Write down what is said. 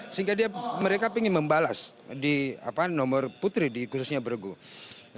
sehingga dia mereka ingin membalas di apa nomor putri di khususnya berhubung